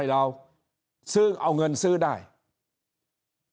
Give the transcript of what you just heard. ก็มาเมืองไทยไปประเทศเพื่อนบ้านใกล้เรา